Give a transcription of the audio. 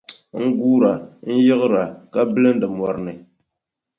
N-guura, n-yiɣira ka bilindi mɔri ni.